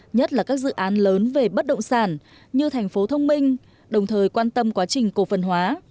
nhất là các dự án lớn về bất động sản như thành phố thông minh đồng thời quan tâm quá trình cổ phần hóa